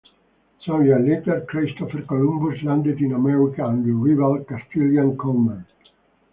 Some years later, Christopher Columbus landed in America under rival Castilian command.